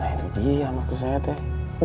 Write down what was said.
nah itu dia maksud saya teh